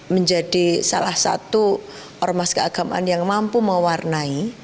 menjadi salah satu ormas keagamaan yang mampu mewarnai